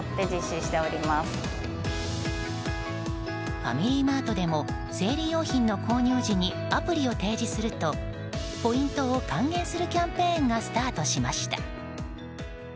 ファミリーマートでも生理用品の購入時にアプリを提示するとポイントを還元するキャンペーンがスタートしました。